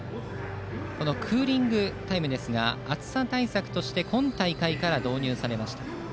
このクーリングタイムですが暑さ対策として今大会から導入されました。